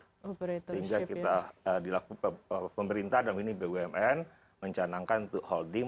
sehingga kita dilakukan pemerintah dan bumn mencanangkan untuk holding